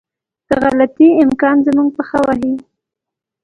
د غلطي امکان زموږ پښه وهي.